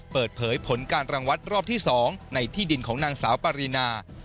เปิดเผยผลการรังวัดรอบที่๒ในที่ดินของนางสาวปารีนา